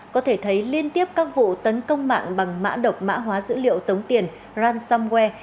có thể thấy liên tiếp các vụ tấn công mạng bằng mã độc mã hóa dữ liệu tống tiền ransomware